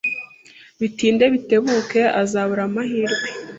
Bitinde bitebuke, azabura amahirwe.